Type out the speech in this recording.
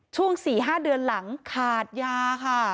ช่วง๔๕เดือนหลังขาดยาค่ะ